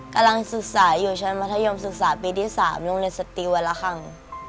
กำลังศึกษาอยู่ชั้นมัธยมศึกษาปีที่๓โรงเรียนสติลวันละครั้ง